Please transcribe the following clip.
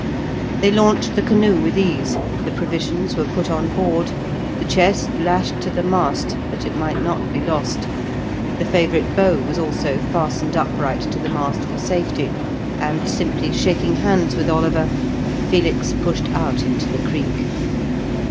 They launched the canoe with ease, the provisions were put on board, the chest lashed to the mast that it might not be lost, the favourite bow was also fastened upright to the mast for safety, and simply shaking hands with Oliver, Felix pushed out into the creek.